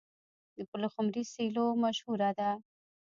د پلخمري سیلو مشهوره ده.